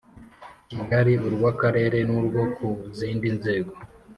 Kigali urw akarere n urwo ku zindi nzego